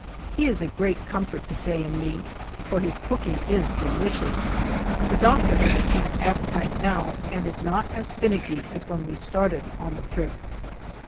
He is a great comfort to Faye and me, for his cooking is delicious. The doctor has a camp appetite now and is not as finicky as when we started on the trip.